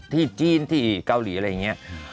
ที่จีนที่เกาหลีอะไรอย่างนี้